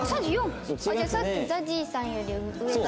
じゃあさっきＺＡＺＹさんより上だ。